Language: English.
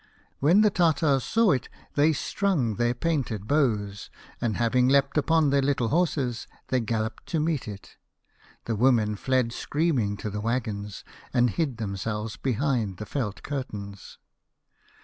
When the Tartars saw it, they strung their painted bows, and 5 having leapt upon their little horses they galloped to meet it. The women dec! screaming to the waggons, and hid themselves behind the felt curtains.